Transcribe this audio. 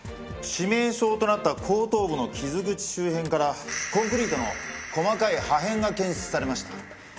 致命傷となった後頭部の傷口周辺からコンクリートの細かい破片が検出されました。